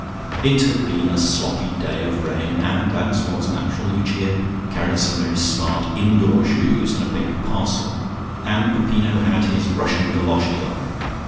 It had been a sloppy day of rain, and, as was natural, Lucia carried some very smart indoor shoes in a paper parcel and Peppino had his Russian goloshes on.